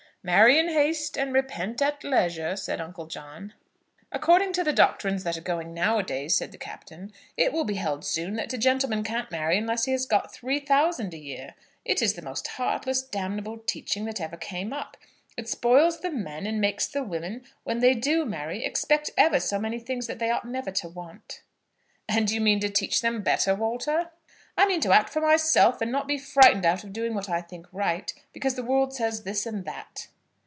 "Marry in haste, and repent at leisure," said Uncle John. "According to the doctrines that are going now a days," said the Captain, "it will be held soon that a gentleman can't marry unless he has got £3000 a year. It is the most heartless, damnable teaching that ever came up. It spoils the men, and makes women, when they do marry, expect ever so many things that they ought never to want." "And you mean to teach them better, Walter?" "I mean to act for myself, and not be frightened out of doing what I think right, because the world says this and that."